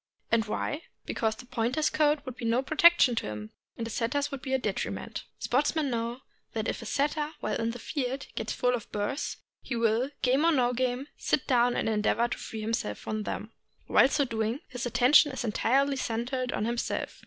And why? Because the Pointer's coat would be no protection to him and the Setter's would be a detriment, Sportsmen know that if a Setter while in the field gets full of burs, he will, game or no game, sit down and endeavor to free himself from them. While so doing his attention is entirely centered on himself.